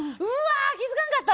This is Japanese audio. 気づかんかった。